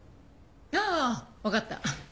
ああわかった。